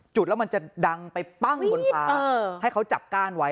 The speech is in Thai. จุดแล้วมันจะดังไปปั้งบนฟาให้เขาจับก้านไว้